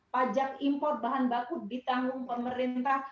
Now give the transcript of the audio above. pajak impor bahan baku ditanggung pemerintah